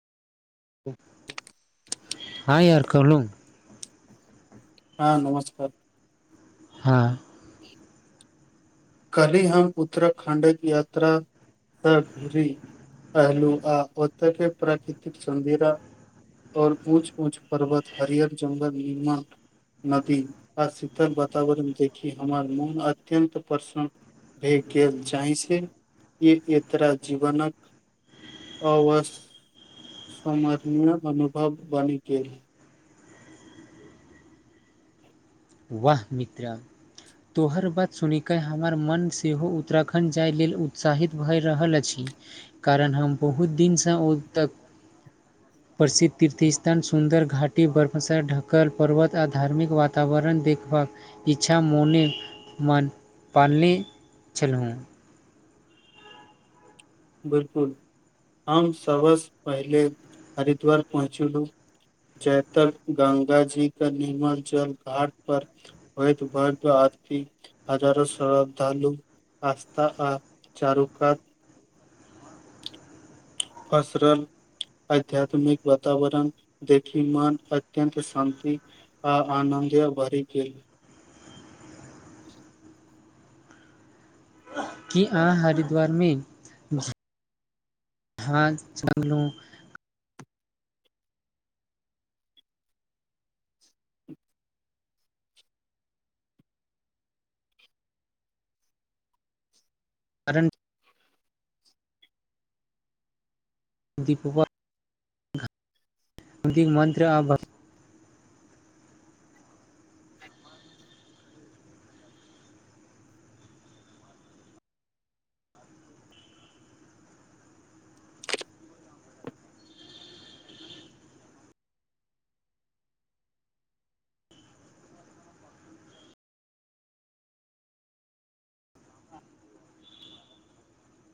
हाँ यार कहलौं हँ नमस्कार हँ [inaudible] कल्हि हम उत्तराखंडक यात्रा से घुरी अयलू आ ओते के प्राकृतिक सुंन्दिरा आओर ऊंच ऊंच पर्वत हरियर जंगल नुमा नदी आ शीतल वातावरण देखी हमर मोन अत्यन्त प्रसन्न भए गेल जाहिसे ई एकरा जीवनक आवश्य सम्माननीय अनुभव बनि गेल वाह मित्र तोहर बात सुनिके हमर मन सेहो उत्तराखण्ड जाय लेल उत्साहित भए रहल अछि कारण हम बहुत दिनसँ ओ तक [inaudible] प्रसिद्ध तीर्थ स्थान सुन्दर घाटी बर्फसर ढकल पर्वत आ धार्मिक वातावरण देखबाक इच्छा मोने मान पालने एलौं हूं बिलकुल आम सबस पहिले हरिद्वार पहुँचलू जयतल गंगा जी के निमाजल घाट पर होत भत आरी हजारो श्रद्धालु आस्था आ चारु कात पसरल आध्यात्मिक वातावरण देखी मन अत्यन्त शान्ति आ आनन्दे भरि गेल की अहाँ हरिद्वार मे झांझ मंगलू कारण दीप वा दि मन्त्र आ